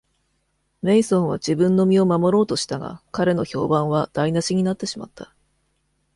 メイソンは自分の身を守ろうとしたが、彼の評判は台無しになってしまった。